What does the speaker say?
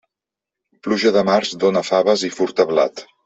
Pluja de març, dóna faves i furta blat.